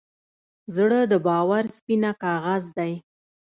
زړه د باور سپینه کاغذ دی.